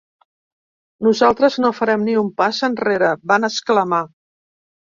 Nosaltres no farem ni un pas enrere, van exclamar.